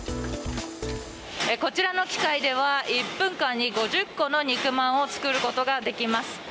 こちらの機械では１分間に５０個の肉まんをつくることができます。